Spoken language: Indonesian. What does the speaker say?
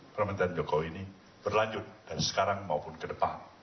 pemerintahan jokowi ini berlanjut dari sekarang maupun ke depan